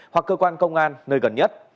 hoặc cơ quan công an nơi gần nhất